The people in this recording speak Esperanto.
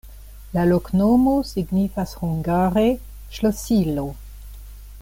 La loknomo signifas hungare: ŝlosilo.